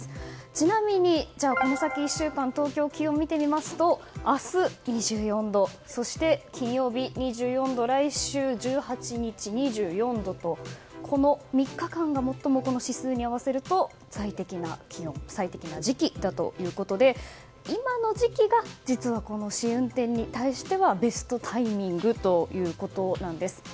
ちなみに、この先１週間東京の気温を見てみますと明日２４度、そして金曜日２４度来週１８日、２４度とこの３日間が最も指数に合わせると最適な時期だということで今の時期が実は、この試運転に対してはベストタイミングということなんです。